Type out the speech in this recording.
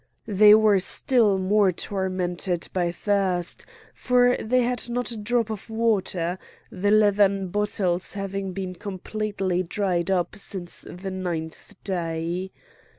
They were still more tormented by thirst, for they had not a drop of water, the leathern bottles having been completely dried up since the ninth day.